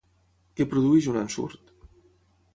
Què produeix un ensurt?